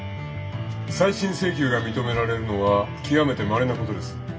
再審請求が認められるのは極めてまれなことです。